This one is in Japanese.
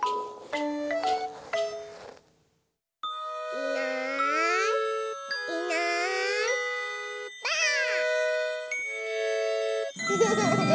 いないいないばあっ！